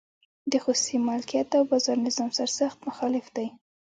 د خصوصي مالکیت او بازار نظام سرسخت مخالف دی.